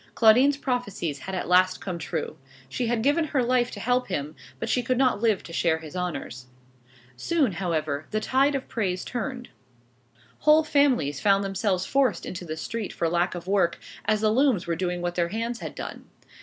Claudine's prophecies had at last come true. She had given her life to help him; but she could not live to share his honors. Soon, however, the tide of praise turned. Whole families found themselves forced into the street for lack of work, as the looms were doing what their hands had done.